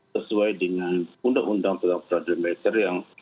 sesuai dengan undang undang tentang pradana militer yang